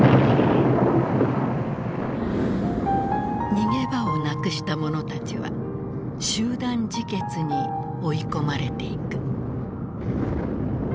逃げ場をなくした者たちは集団自決に追い込まれていく。